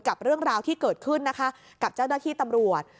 กับเรื่องราวที่เกิดขึ้นนะคะกับเจ้าหน้าที่ตำรวจ